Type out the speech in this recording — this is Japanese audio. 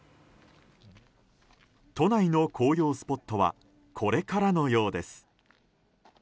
都内の紅葉スポットはこれからのようです。